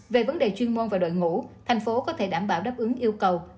về vấn đề chuyên môn và đội ngũ tp hcm có thể đảm bảo đáp ứng yêu cầu